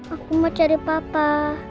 aku mau cari papa